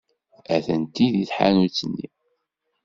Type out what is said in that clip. Atenti deg tḥanut-nni.